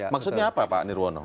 maksudnya apa pak nirwono